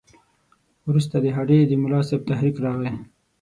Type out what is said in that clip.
وروسته د هډې د ملاصاحب تحریک راغی.